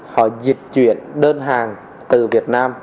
họ dịch chuyển đơn hàng từ việt nam